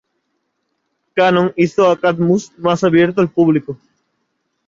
Cannon hizo a Cadmus más abierto al público.